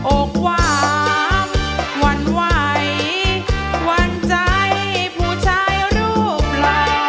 อกหวานหวั่นไหวหวั่นใจผู้ชายรูปหล่อ